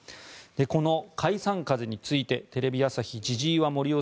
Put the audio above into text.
この解散風についてテレビ朝日千々岩森生